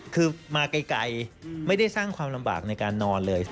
คือมาไกลไม่ได้สร้างความลำบากในการนอนเลย